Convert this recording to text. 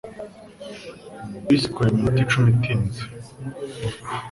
Bisi ikora iminota icumi itinze.